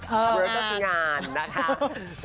เวิร์คก็คืองานนะคะ